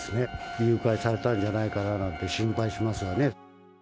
誘拐されたんじゃないかななんて、心配しますよね。